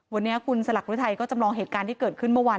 วันนี้คุณสลักฤทัยก็จำลองเหตุการณ์ที่เกิดขึ้นเมื่อวาน